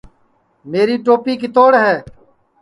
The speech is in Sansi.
میری توپی کِتوڑ ہے